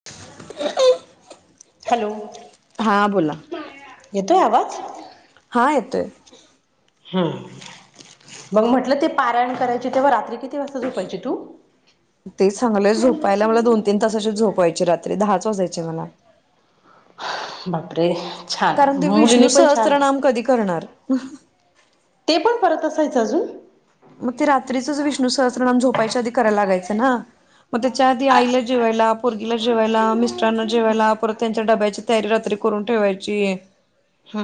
[unintelligible] Hello. हा बोला. येतोय आवाज हम्, मग म्हटलं ते पारायण करायचे तेव्हा रात्री किती वाजता झोपायची तू. ते चांगलंय झोपायला मला दोन तीन तासाची झोपायची रात्री दहाच वाजायचे मला. बापरे. कारण छान ते विष्णू मुलीने पण छान सहस्त्रनाम कधी करणार. ते पण परत असायचं अजून. मग ते रात्रीचच विष्णू सहस्र नाम झोपायच्या आधी करायला लागायचं ना. मग त्याच्या आधी आईला जेवायला, पोरगीला जेवायला, मिस्टरांना जेवायला परत त्यांच्या डब्याची तयारी रात्री करून ठेवायची. ह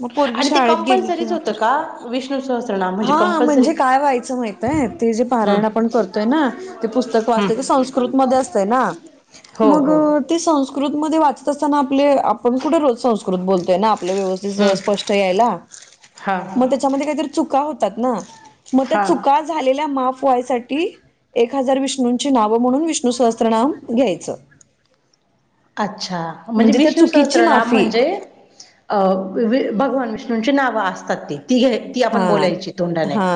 मग पोरगी आणि ते शाळेत गेली कंपल्सरीच किंवा होतं तर का विष्णू सहस्त्र नाम. हा म्हणजे काय व्हायचं माहिताय ते जे पारायण हम्म आपण करतोय ना, ते पुस्तक वाचते ते हम्म संस्क कृतमध्ये असतय ना, हो मग हो ते संस्कृत मध्ये वाचत असताना आपले आपण कुठे रोज संस्कृत बोलतोय ना आप आप व्यवस्थित हम्म स्पष्ट यायला हा मग त्याच्यामध्ये काहीतरी चुका होतात ना मग त्या हा चुका झालेल्या माफ व्हायसाठी एक हजार विष्णूंची नावं म्हणून विष्णू सहस्त्रनाम घ्यायचं अच्छा म्हणजे त्या विष्णु चुकीची सहस्त्र नाम माफी म्हणजे वि भगवान विष्णूंची नावं असतात ती घ्या ती आपण हा बोलायची तोंडाने हा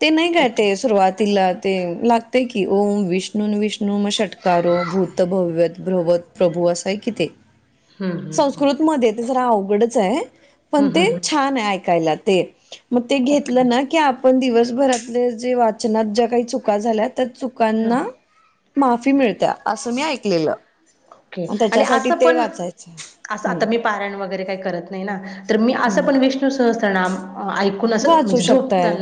ते नाही काते ओके सुरुवातीला ते लागते की ओम विष्णूंून विष्णू म षटकारो भूत भव्यत भ्रवत प्रभूअसय किती हम्म हम्म हम्म संस्कृतमध्ये ते जरा अवघडच आहे पण हम्म ते हम्म छान आहे ऐकायला ते मग ते घेतलं ओके ना की आपण दिवसभरातले जे वाचनात ज्या काही चुका झाल्या त्या च हं लकांना माफी मिळत्या असं मी ऐकलेलं ओके आणि त्याच्यासाठी असं ते पण वाचायचं असं हम्म आता मी पारयण वगैरे काही करत नाही ना तर मी असं हम्म पण विष्णू सहस््रनाम ऐक वाचू शकताय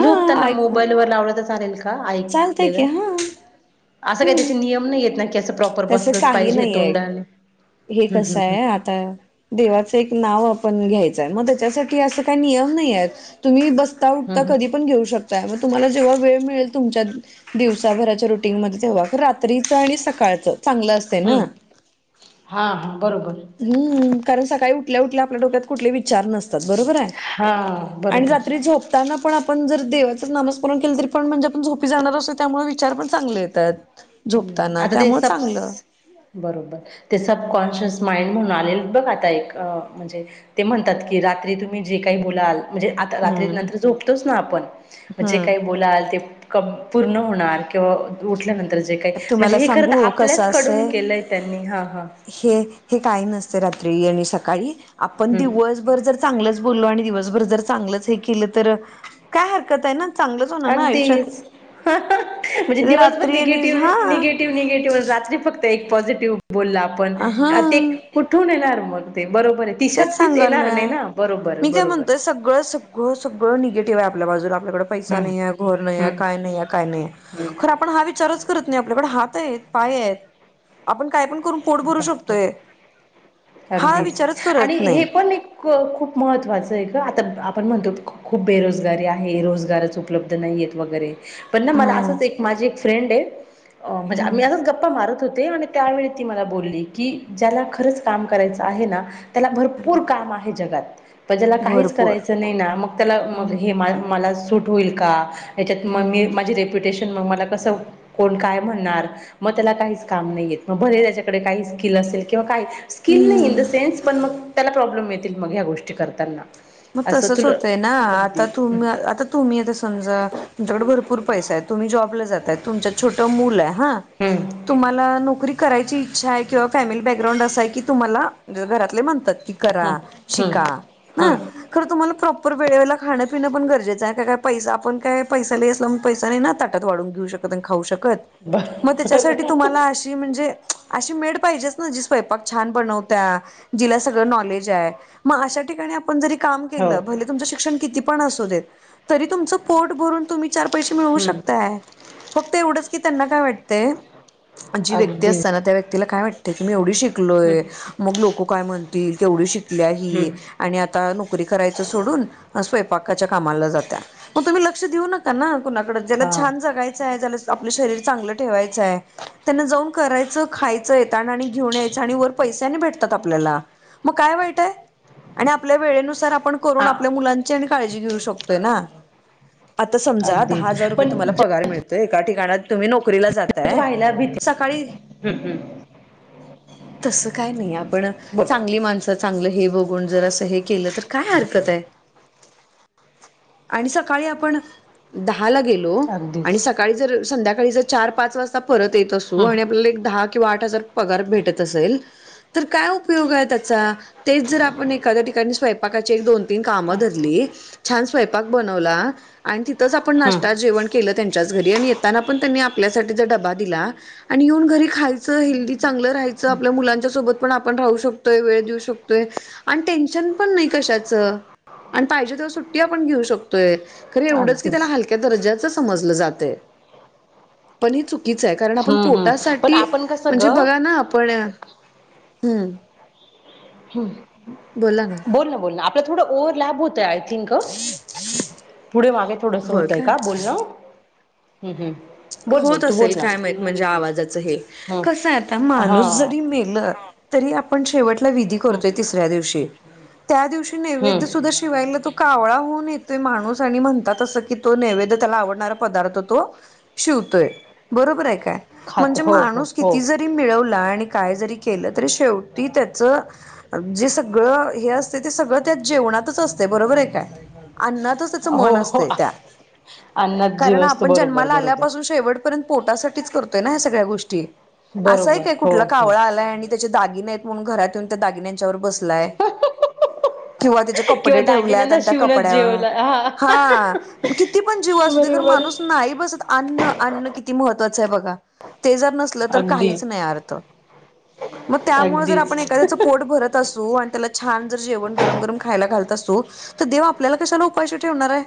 हा ना मो ऐकून का चालतय की ऐकलेलं हा असं काही हम्म त्याचे नियम नाही येत ना की असं प्रॉपर तसं बसलंच काही पाहिजे नाहीये तोंडाने हे हं कसं हं हं आहे आता देवाचं एक नाव आपण घ्यायचंय मग त्याच्यासाठी असं काही नियम नाही आहेत तुम्ही बसता हं उठता हं कधी पण घेऊ शकताय मग तुम्हाला जेव्हा वेळ मिळेल तुमच्या दिवसाभराच्या रुटीनमध्ये तेव्हा रात्रीच आणि सकाळचं चांगलं असत ह हां हां बरोबर हम्म कारण सकाळी उठल्या उठल्या आपल्या डोक्यात कुठलेही विचार नसतात बरोबर आहे हा आणि बरोबर रात्री झोप ताना पण आपण जर देवाचंच नामस्मरण केलं तरी पण म्हणजे आपण झोपी जाणार असो त्यामुळे विचार पण चांगले येतात हम्म झोपताना आता ते त्यामुं सप्स चांगलं बरोबर ते सबकॉन्शियस माइंड म्हणून आलेल बघ आता एक म्हणजे ते म्हणतात की रात्री तुम्ही जे काही बोलाल म्हणजे आता रात्री हम्म नंतर झोपतोच ना आपण जे हम्म. काही बोलाल ते पूर्ण होणार किंवा उठल्यानंतर जे काही म्हणजे तुम्हाला हे करता सांगू आपल्याच कसं कडून असंय केलंय त्यांनी हा हा हे हे काही नसते रात्री आणि सकाळी आपण हम्म दिवस भर जर चांगलच बोललो आणि दिवसभर जर चांगलच हे केलं तर काय हरकत आहे ना चांगलंच होणार ना अगदीच आयुष्यात म्हणजे दिवसभण रात्री आणि निगेटिव्ह हा आहे निगेटिव्ह निगेटिव्ह रात्री फक्त एक पॉझिटिव्ह बोलला हा ते कुठून येणार मग ते बरोबर आहे ती तेच शक्तीच येणार नाही सांगालय ना बरोबर मी काय बरोबर म्हणतोय सगळं स सगळं निगेटिव्ह आहे आपल्या बाजूला आपल्याकड पैसा हम्म नाहीे घर नाही हम्म आहे काय नाहीे काय नाहीे हम्म खर हा विचारच करत नाही आप पण हात आहेत पाय आहेत आपण कायण काम करूण पोट भरू बापरे शकतोय हा अगदीच विचारच आणि करत हे नाही पण खूप महत्त्वाचं आहे आता आपण म्हणतो खूप बेरोजगारी आहे रोजगारा च उपलब्ध नाही आहेत वगैरे पण ना मला हम्म असंच एक माझी एक फ्रेंड आहे म्हणजे आ हा मी असंच गप्पा मारत होते आणि त्यावेळी त मला बली की ज्याला खरंच काम करायच आहे ना त्याला भरपूर काम आहे जगात प ज्याला काहीच भरपूर करायचं नाही ना मग त्या हम्म. म मला सूट होईल का हच्यात मगी माझ रेप्युटे का म्ह का काम नाही असेल का स्क इन द सेन्स पण म त्या प्रब्लेम मग ह्या गोष्टी करताना मग असं तसंच तुला होतय ना अगदी आता तुम्ही आता तुम्ही आता समजा तुमच्याकडे भरपूर पैसा आहे, तुम्ही जॉबला जाताय तुमच्यात छोटं मुल आहे हा हम्म [inaudible] तुम्हाला नोकरी करायची इच्छा आहे, किंवा फॅमिली बॅकग्राउंड असा आहे की तुम्हाला म्हणे घरातले म्हणतात की हम्म करा हम्म शिका ह. हम्म खर तुम्हाला प्रॉपर वेळेवेळेला खाणं पिण पण गरजेचं आहे, का पैसा आपण काय पैसा लई असला म्हणून पैसा नाही ना आता. त्यात वाढून घेऊ शकत, अन खाऊ शकत, म त्याच्यासाठी बर तुम्हाला अशी म्हणजे. अशी मेड पाहिजेच ना, जी स्वयंपाक छान बनवत्या जिला सगळं नॉलेज आहे. मग अशा ठिकाणी आपण जरी काम हो केलं, भले तुमचं शिक्षण किती पण असू देत, तरी तुमचं पोट भरून तुम्ही चार पैसे मिळवू हम्म शकताय, फक्त एवढंच की त्यांना काय वाटतंय जी व्यक्ती अगदी असतना, त्या व्यक्तीला काय वाट की मी एवढी शिकलोय, हम्म मग लोक काय म्हणतील केवढी शिकल्याय ही, हम्म अन आता नोक री करायच सोडून अ स्वयंपाकाच्या कामाला जाताय, म तुम्ही लक्ष देऊ न का ना कुणाकड, ज्याला हा छान जगायचंय त्याला आपलं शरीर चांगलं ठेवायचंय, त्यांना जाऊन करायचं, खाय चं आणि घेऊन यायचं, आणि वर पैश्यांनी भेटतात आप ल्याला मग काय वाईट ये, आणि आपल्या वेळेनुसार आपण करू हा आपल्या मुलां ची आणी काळजी घेऊ शकतोय ना आता समजा दहा अगदीच हजार रुपये पण तुम्हाला पागार मिळ तोय एका ठिकाण तुम्ही नोकरीला जज जाताय व्हायला भीती सकाळी हम्म हम्म तसं काय नाही आपण. बर! चांगली माणसं, चांगलं हे बघून जर असं हे केलं तर काय हरकत आहे, आणि सकाळी आपण दहा ला गेलो. गेलो आणि अगदीच सकाळीच जर संध्याकाळी जर चार पाच वाजता परत येत असू, हम्म आणि आपल्याला एक दहा किंवा आठ हजार पगार भेटत असेल. तर काय उपयोग आहे त्याचा, तेच जर आपण एखाद्या ठिकाणी स्वयपाक स्वयंपाकाची एक दोन, तीन, काम धरली अगदी छान स्वयंपाक बनवला. आणि तिथंच आपण नाश्ता जेवण केलं त्यांच्याच घरी, आणि येताना पण त्यांनी आपल्यासाठी जर डबा दिला. आणि येऊन घरी खायचं, हेल्दी चांगलं राहायचं, आपल्या मुलांच्या सोबत पण आपण राहू शकतोय वेळ देऊ शकतोय. आण टेन्शन पण नाही कशाच, अन् पाहिजे तेव्हा सुट्टी आपण घेऊ शकतोय, खर एवढच की त्याला अगदीच हल क्या दर्जाचं समजलं जातंय. पण हे चुकीच आहे, कारण आपण हम्म हम्म पण पोटासाठी आपण कसं म्हणजे ग बघा ना आपण. हूं! ह बोल ना, बोल ना, आपलं थोडं ओव्हलॅबं होतंय आय थिंक. अ पुढे मागे थोडस होय होतंय काय का बोलणं, हूं हूं. होत असेल काय माहित, म्हणजे आवाजाचं हे हम्म कस आहे आता हा माणूस जरी मे ल तरी आपण शेवटला विधी हम्म करतोय, तिसऱ्या दिवशी त्या दिवशी नैवेद्य हम्म सुद्धा शिवायला तो कावळा होऊन येतोय माणूस, आणि म्हणतात असं कि तो नैवेद्य, त्याला आवडणारा पदार्थ तो. शिवतोय बरोबर आहे काय, खात म्हणजे हो हो माणूस हो किती जरी मिळवला आणि काय जरी केलं, तरी शेवटी त्याच जे सगळं हे असते, ते सगळं त्या जेवणातच असते, बरोबर आहे काय. अन्नातच अस त हो मन असत हो त्यात, अन्नात जीव कारण असतो आपण बरोबर जन्माला आल्या बरोबर शेवट पर्यंत पोटासाठीच करतोय ना ह्या सगळ्या गोष्टी, अस आहे बरोबर का हो कुठला हो कावळा आलाय आणी त्याचे दागिने हेत म्हणून, घरात येऊन त्या दागिन्यांच्यावर बसलाय. किंवा त्याचे किंवा कपडे ठेवले आहेत, दागिन्यांना आणि त्या शिवूनच कपड्या जेवला हा हा किती पण जीव असू दे, खर बरोबर माणूस नाही बसत अन्न, अन्न किती महत्वाचं आहे बघा. ते जर नसल तर अगदी काहीच नाही अर्थ, मग त्यामुळे जर आपण अगदीच एखाद्याचं पोट भरत असू, आणि त्याला छान जर जेवण गरम, गरम खायला घालत असू तर देव आपल्याला कशाला उपाशी ठेवणार आहे.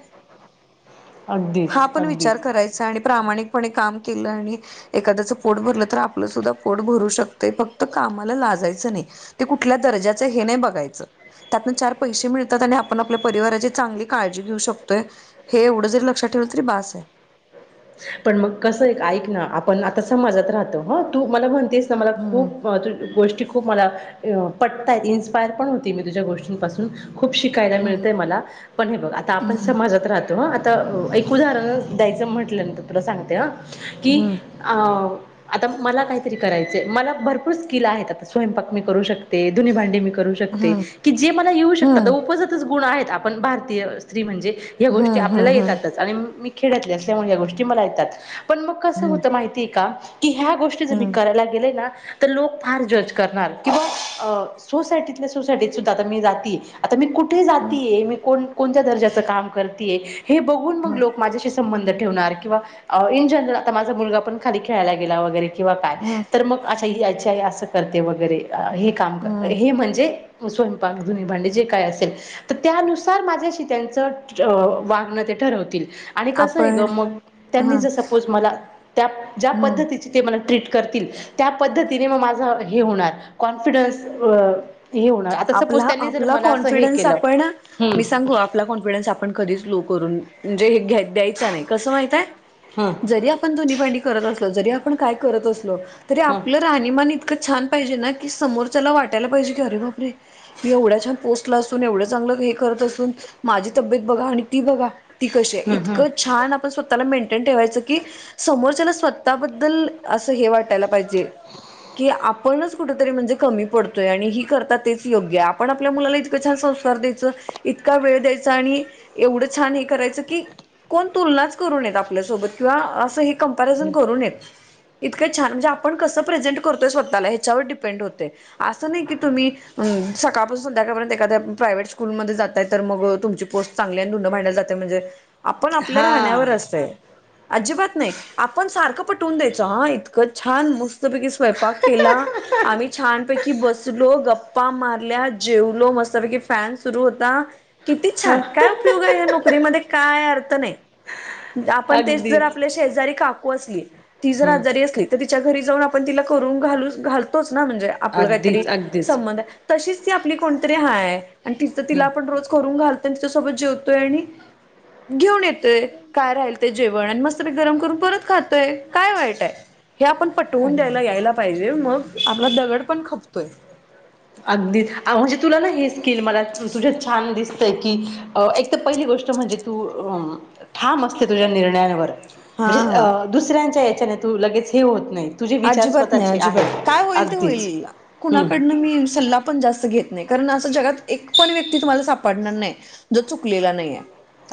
हा अगदीच पण विचार अगदीच करायचा आणि प्रामाणिकपणे काम केलं आणि एखाद्याचं पोट भरलं तर आपलं सुद्धा पोट भरू शकतंय फक्त कामाला लाजायचं नाही. ते कुठल्या दर्जाचं हे नाही बघायचं. त्यातन चार पैसे मिळतात आणि आपण आपल्या परिवाराची चांगली काळजी घेऊ शकतोय. हे एवढं जरी लक्षात ठेवलं तरी बास आहे. पण मग कस एक ऐक ना आपण आता समाजात राहतो तू मला म्हण तेच मला हम्म खूप गोष्टी खूप मला पटताय इन्स्पायर पण होती मी तुझ्या गोष्टींपासून खूप शिकायला हम्म मिळतेय मला पण हे बघ आता आपण समाजात राहतो. आता एक उदाहरण द्यायचं म्हटलं नंत तुला सांगते हा. हम्म कीआ आता मला काहीतरी करायचं मला भरपूर स्किल आहेत. आता स्वयंपाक मी करू शकते, दुन्नी भांडी मी करू शकते. हम्म की जे मला येऊ शकतात हम्म उपजातच गुण आहेत आपण भारतीय स्त्री म्हणजे ह गोष्टी हम्म आपल्याला हम्म हम्म येतातच आणि मी खेड्यातली असल्यामुळे या गोष्टी मला येतात. पण मग कसं हम्म होतं माहिती आहे का, की ह्या गोष्टी जर मी हम्म करायला गेलेय ना तर लोक फार जज करणार किंवा सोसायटीतल्या सोसायटीत सुद्धा आता मी जाती आता मी कुठ कुठे हम्म जाते. मी कोणत्या दर्जाचं काम मी करते, हे बघून मग हम्म लोक माझ्याशी संबंध ठेवणार किंवा इन जनरल आता माझा मुलगा पण खाली खेळायला गेला वगैरे किंवा काय, हम्म तर मग अशा यायची आई असं काम करते वगैरे हे काम हम्म हे म्हणजे स्वयंपाक धुणी भांडे जे काय असेल. तर त्यानुसार माझ्या त्यांच्याशी वागणं ते ठरवतील आणि कसं हे ग आपण मग त्यांनी हा जर सपोज मला त्या ज्या हम्म पद्धती, ते मला ट्रीट करते. त्या पद्तीने मा होणार कनफिडन आपला आपला कॉन्फिडन्स केलं आपण हम्म मी सांगू कॉन्फिडन्स आपण कधीच लो करून म्हणजे घ द्यायच नाही कस हा माहितीये आपण धुणी भांडी करत असल जरी आपण काय करत असलोरी हा आपल राहणीमान इतकं छान पाहिजे ना की समोरच्याला वाटायला पाहिजे की अरे बा अरे मी एवढ्या छान पोस्टला असून एवढं चांगलं हे करत असून माझी तब्येत बघा आणि ती बघा ती कशी आहे, हम्म इतकं हम्म छान आपण स्वतःला मेंटेन ठेवायचं की समोरच्याला स्वतःबद्दल अस हे वाटायला पाहिजे. की आपणच कुठेतरी म्हणजे कमी पडतोय आणि ही करत तेच योग्यआहे. आपण आपल्या मुलाला इतक छान संस्कार द्यायचं, इतका वेळ द्यायचं आणि एवढं छान हे करायच की कोण तुलनाच करून येत आपल्यासोबत किंवा असं कॅम्परिजन करू नये. इतकं छान म्हणजे आपण कसं प्रेझेंट करतोय स्वतःला ह्याच्यावर डिपेंड होते असं नाही की तुम्ही सकाळपासून संध्याकापर्यंत एखाद्या प्रायव्हेट स्कूलमध्ये जातातय तर मग तुमची पोस्ट चांगल्या भांडला जाते म्हणजे आपण आपल्या राहण्यावर हा असते. अजिबात नाही. आपण सारखं पटवून द्यायचं हा इतकं छान मस्त मस्तपैकी स्वयंपाक केला. आम्ही छानपैकी बसलो गप्पा गप्पा मारल्या, जेवलो, मस्तपैकी फॅन सुरू होता किती छान काय उपयोग आहे या नोकरीमध्ये काय अर्थ नाही. आपण तेच जर अगदीच आपल्या शेजारी काकू असली. ती जर हम्म आजारी असली तर तिच्या घरी जाऊन आपण तिला करून घाल घालतोच ना म्हणजे. आपलं काहीतरी अगदीच अगदीच संबंध आहे. तशीच ती आपली कोणतरी हाय त तिला हम्म आपण रोज करून घालतो. त्यां तिच्यासोबत जेवतोय आणि घेऊन येतोय. काय राहिल ते जेवण आणि मस्त ते गरम करून परत खातोय काय वाईट आहे हे आपण पटवून द्यायला अगदीच यायला पाहिजे मग आपला दगड पण खपतोय. अगदी म्हणजे तुला ना हे स्किल मला तुझ्या छान दिसतय की एक तर पहिली गोष्ट म्हणजे तू ठाम असते तुझ्या निर्णयांवर हा म्हणजे हा दुसऱ्यांच्या याच्याने तू लगेच हे होत नाही. तुझे विचार अजिबात नाही. स्वतःचे अजिबात काय आहेत होईल ते अगदीच होईल. हम्म कुणाकडनं मी सल्ला पण जास्त घेत नाही. कारण असं जगात एक पण व्यक्ती तुम्हाला सापडणार नाही. जो चुकलेला नाहीये.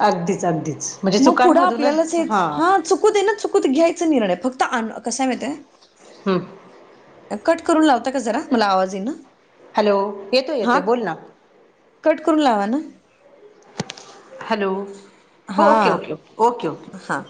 अगदीच अगदीच म्हणजे मग पुढं आपल्यालाच चुकांमधूनच हेच, हा चुकू दे ना चुक खुद घ्यायचा निर्णय. फक्त अन कसाय माहिते. हम्म. कट करून लावता का जरा. मला आवाज येईना. हॅलो येतोय हा, येतोय बोल ना कट करून लावा ना. हॅलो, हो ओके, ओके, ओके, ओके. हां.